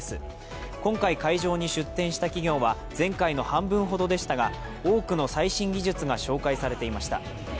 今回、会場に出展した企業は、前回の半分ほどでしたが多くの最新技術が紹介されていました。